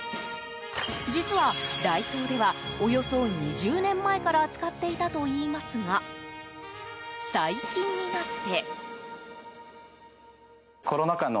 実はダイソーではおよそ２０年前から扱っていたといいますが最近になって。